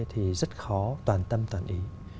thì rất khó toàn tâm toàn ý